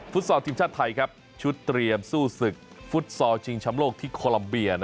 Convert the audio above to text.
ซอลทีมชาติไทยชุดเตรียมสู้ศึกฟุตซอลชิงชำโลกที่โคลัมเบีย